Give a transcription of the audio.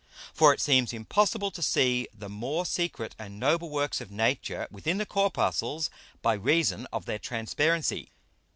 For it seems impossible to see the more secret and noble Works of Nature within the Corpuscles by reason of their transparency.